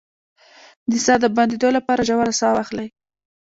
د ساه د بندیدو لپاره ژوره ساه واخلئ